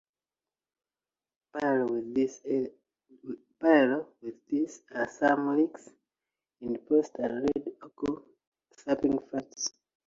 Parallel with this are some licks in post and red oak sapling flats.